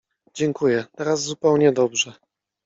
— Dziękuję, teraz zupełnie dobrze.